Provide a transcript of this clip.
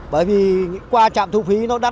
bởi vì qua chạm thu phí là không có người mua nữa